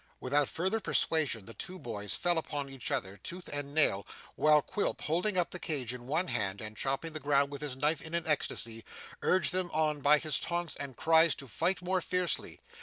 Without further persuasion, the two boys fell upon each other, tooth and nail, while Quilp, holding up the cage in one hand, and chopping the ground with his knife in an ecstasy, urged them on by his taunts and cries to fight more fiercely.